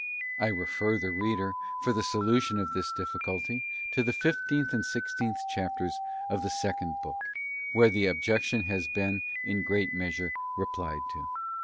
I refer the reader, for a solution of this difficulty, to the fifteenth and sixteenth chapters of the second book, where the objection has been in great measure replied to.